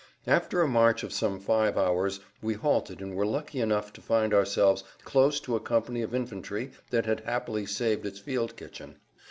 After a march of some five hours we halted and were lucky enough to find ourselves close to a company of infantry that had happily saved its field kitchen.